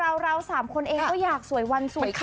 อย่างเรา๓คนเองก็อยากสวยวันสวยคืน